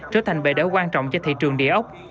trở thành bề đỡ quan trọng cho thị trường địa ốc